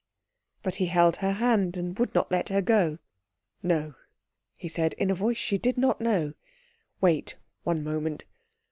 But he held her hand and would not let her go. "No," he said, in a voice she did not know, "wait one moment.